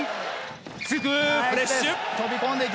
突く、フレッシュ。